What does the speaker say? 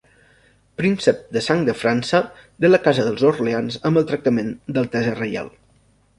Príncep de sang de França de la casa dels Orleans amb el tractament d'altesa reial.